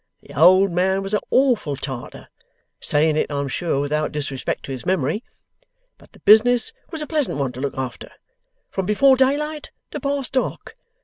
The old man was a awful Tartar (saying it, I'm sure, without disrespect to his memory) but the business was a pleasant one to look after, from before daylight to past dark.